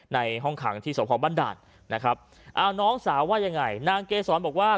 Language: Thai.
ในห้องขังที่สพบ้านด่านนะครับเอาน้องสาวว่ายังไงนางเกษรบอกว่า